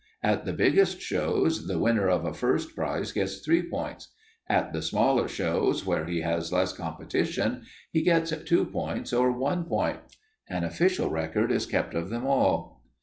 At the biggest shows the winner of a first prize gets three points; at the smaller shows, where he has less competition, he gets two points or one point. An official record is kept of them all."